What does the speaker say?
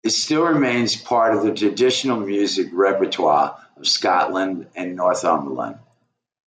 It still remains part of the traditional music repertoire of Scotland and Northumberland.